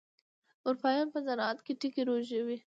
اروپايان په صنعت کې ټکي رژوي.